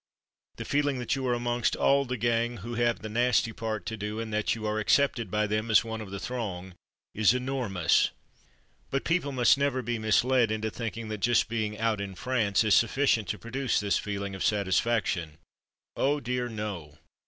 The feeling that you are amongst all the gang who have the nasty part to do, and that you are accepted by them as one of the throng, is enormous. New Appointment 85 But people must never be misled into thinking that just being "out in France/' is sufficient to produce this feeling of satis faction. Oh dear no